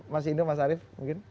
mas indo mas arief mungkin